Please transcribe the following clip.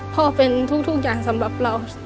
พ่อเป็นทุกอย่างสำหรับเรา